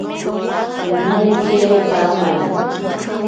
Pimorekero paamari.